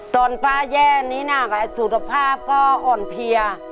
ตอนป้าแย่นี้น่ะสุทธภาพก็อ่อนเพียร์